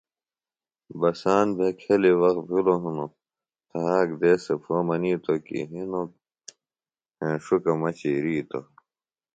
بساند بھےۡ کھیۡلیۡ وخت بِھلوۡ ہنوۡ تہآک دیس سےۡ پھو منِیتوۡ کیۡ ہِنوۡ ہینݜکہ مہ چِیرِیتوۡ